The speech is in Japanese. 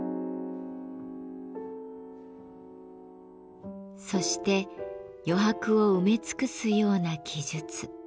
そして余白を埋め尽くすような記述。